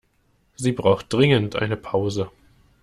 Sie braucht dringend eine Pause.